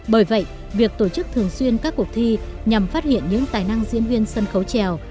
bởi vậy việc tổ chức thường xuyên các cuộc thi nhằm phát hiện những tài năng diễn viên sân khấu trèo